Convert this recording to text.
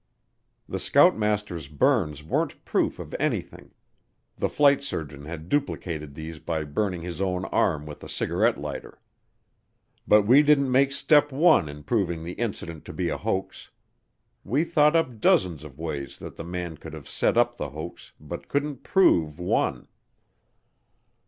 The scoutmaster's burns weren't proof of anything; the flight surgeon had duplicated these by burning his own arm with a cigarette lighter. But we didn't make step one in proving the incident to be a hoax. We thought up dozens of ways that the man could have set up the hoax but couldn't prove one.